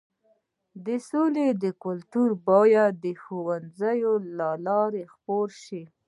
د سولې کلتور باید د ښوونځیو له لارې خپور شي.